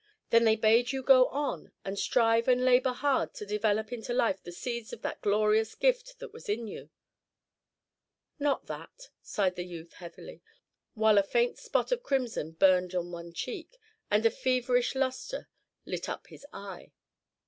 "Then they bade you go on, and strive and labor hard to develop into life the seeds of that glorious gift that was in you?" "Nor that," sighed the youth, heavily, while a faint spot of crimson burned on one cheek, and a feverish lustre lit up his eye.